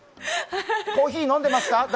コーヒー、飲んでますか？